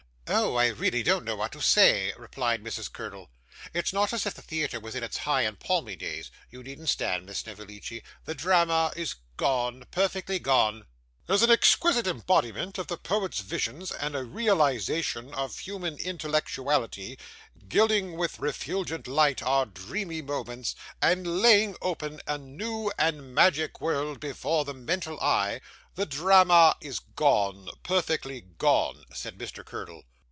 'Oh! I really don't know what to say,' replied Mrs. Curdle. 'It's not as if the theatre was in its high and palmy days you needn't stand, Miss Snevellicci the drama is gone, perfectly gone.' 'As an exquisite embodiment of the poet's visions, and a realisation of human intellectuality, gilding with refulgent light our dreamy moments, and laying open a new and magic world before the mental eye, the drama is gone, perfectly gone,' said Mr. Curdle.